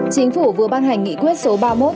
chính phủ vừa ban hành nghị quyết số ba mươi một